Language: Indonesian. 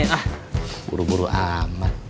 ah guru guru aman